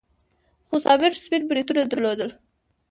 خو صابر سپين بریتونه درلودل.